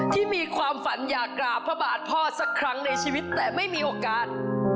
ที่มีความฝันอยากกราบพระบาทพ่อสักครั้งในชีวิตแต่ไม่มีโอกาส